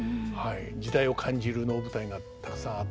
時代を感じる能舞台がたくさんあって。